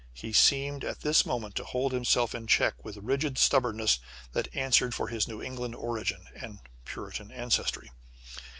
He seemed at this moment to hold himself in check with a rigid stubbornness that answered for his New England origin, and Puritan ancestry!